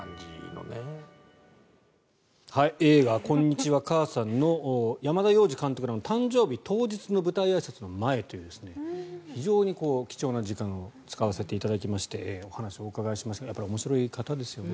映画「こんにちは、母さん」の山田洋次監督の誕生日当日の舞台あいさつの前という非常に貴重な時間を使わせていただきましてお話をお伺いしましたが面白い方ですよね。